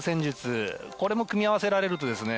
これも組み合わせられるとですね